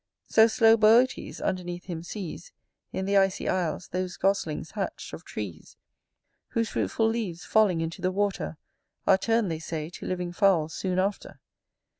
So, slow Boôtes underneath him sees In th' icy isles those goslings hatch'd of trees; Whose fruitful leaves, falling into the water, Are turn'd, they say, to living fowls soon after.